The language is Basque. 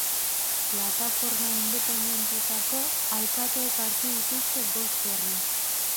Plataforma independenteetako alkateek hartu dituzte bost herri.